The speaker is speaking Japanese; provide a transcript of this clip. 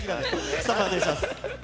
スタンバイお願いします。